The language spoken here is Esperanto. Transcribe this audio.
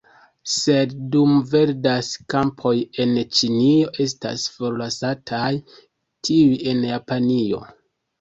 Sed, dum verdas kampoj en Ĉinio, estas forlasataj tiuj en Japanio.